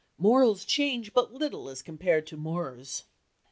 Morals change but little as compared with moeurs.